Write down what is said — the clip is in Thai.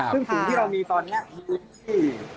ซึ่งสิ่งที่เรามีตอนนี้อยู่ที่